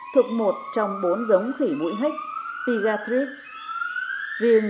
thuộc một trong bốn giống khuyến